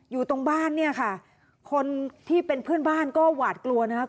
อยู่ตรงบ้านเนี่ยค่ะคนที่เป็นเพื่อนบ้านก็หวาดกลัวนะครับ